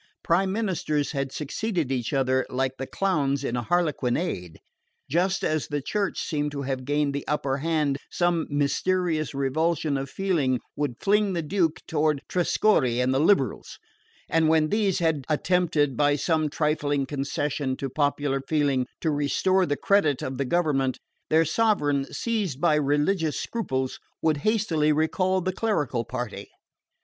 Prime ministers had succeeded each other like the clowns in a harlequinade. Just as the Church seemed to have gained the upper hand some mysterious revulsion of feeling would fling the Duke toward Trescorre and the liberals; and when these had attempted, by some trifling concession to popular feeling, to restore the credit of the government, their sovereign, seized by religious scruples, would hastily recall the clerical party.